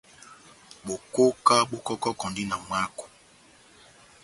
Bokoka bó kɔkɔkɔndi na mwáko.